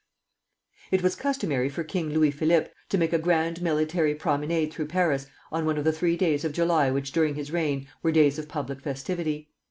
It was customary for King Louis Philippe to make a grand military promenade through Paris on one of the three days of July which during his reign were days of public festivity.